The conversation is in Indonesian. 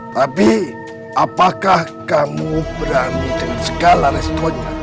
tapi apakah kamu berani dengan segala responnya